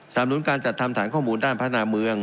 สามลุ้นการจัดธรรมฐานข้อมูลด้านพนาคมเมือง